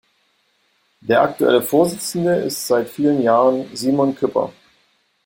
Der aktuelle Vorsitzende ist seit vielen Jahren Simon Küpper.